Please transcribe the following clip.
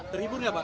terhibur gak pak